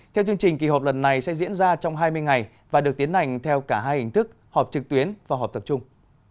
theo chương trình kỳ họp lần này sẽ diễn ra trong hai mươi ngày và được tiến hành theo cả hai hình thức họp trực tuyến và họp tập trung